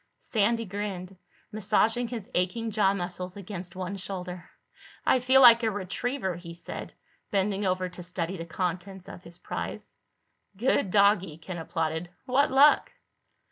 Sandy grinned, massaging his aching jaw muscles against one shoulder. "I feel like a retriever," he said, bending over to study the contents of his prize. "Good doggie," Ken applauded. "What luck?"